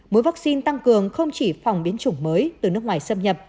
mỗi vaccine tăng cường không chỉ phòng biến chủng mới từ nước ngoài xâm nhập